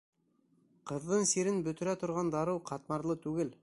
Ҡыҙҙың сирен бөтөрә торған дарыу ҡатмарлы түгел.